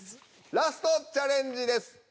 ラストチャレンジです。